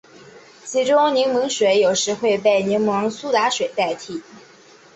其中柠檬水有时会被柠檬苏打水代替。